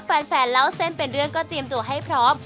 แฟนเล่าเส้นเป็นเรื่องก็เตรียมตัวให้พร้อม